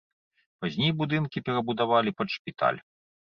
Пазней будынкі перабудавалі пад шпіталь.